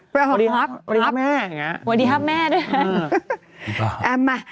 พระของครับพระของครับหวัดดีครับแม่